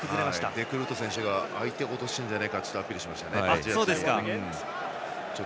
デグルート選手が相手が押しているんじゃないかとアピールしています。